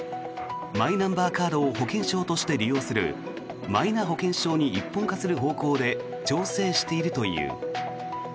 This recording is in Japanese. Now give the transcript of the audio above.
マイナンバーカードを保険証として利用するマイナ保険証に一本化する方向で調整しているという。